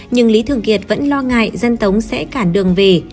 nhưng lý thường kiệt vẫn lo ngại dân tống sẽ cản đường về